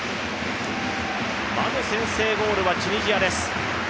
まず先制ゴールはチュニジアです。